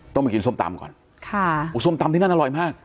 ต้องไปกินส้มตำก่อนค่ะส้มตำที่นั่นอร่อยมาก